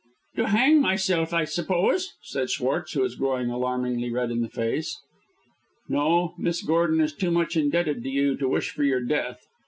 "To hang myself, I suppose?" said Schwartz, who was growing alarmingly red in the face. "No; Miss Gordon is too much indebted to you to wish for your death.